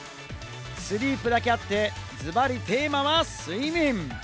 スリープだけあって、ズバリ、テーマは睡眠！